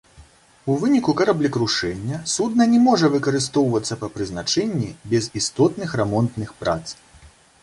У выніку караблекрушэння судна не можа выкарыстоўвацца па прызначэнні без істотных рамонтных прац.